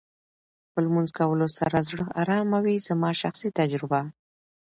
په لمونځ کولو سره زړه ارامه وې زما شخصي تجربه